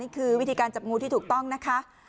คือวิธีการจับงูที่ถูกต้องนะคะ